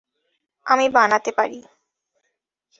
আমি বানাতে পারি।